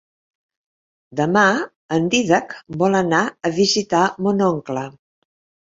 Demà en Dídac vol anar a visitar mon oncle.